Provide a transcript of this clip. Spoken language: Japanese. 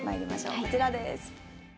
こちらです。